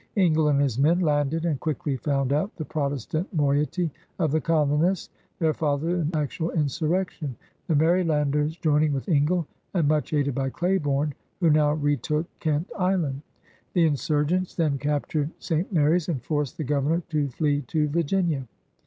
Ingle and his men landed and quickly found out the Protestant moiety of the colonists. There followed an actual insurrection, the Marylanders joining with Ingle and much aided by Claiborne, who now retook Kent Island. The insurgents then captured St. Mary's and forced the Governor to flee to Virginia.